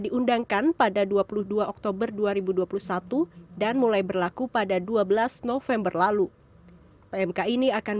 diundangkan pada dua puluh dua oktober dua ribu dua puluh satu dan mulai berlaku pada dua belas november lalu pmk ini akan